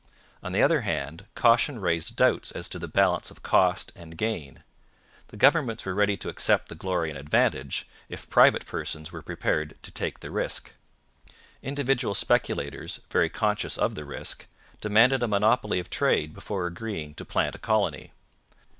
On the other hand, caution raised doubts as to the balance of cost and gain. The governments were ready to accept the glory and advantage, if private persons were prepared to take the risk. Individual speculators, very conscious of the risk, demanded a monopoly of trade before agreeing to plant a colony.